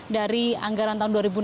dari anggaran tahun dua ribu enam belas